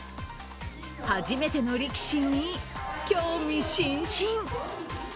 初めての力士に興味津々。